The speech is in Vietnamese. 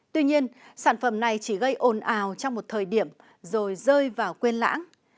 tuy nhiên sản phẩm này chỉ gây ồn ào trong một thời điểm rồi rơi vào quên lãng